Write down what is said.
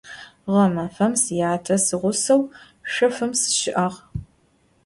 Ğemafem syate siğuseu şsofım sışı'ağ.